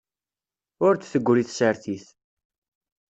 Ur d-tegri tsertit.